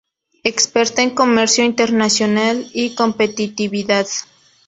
Experta en comercio internacional y competitividad.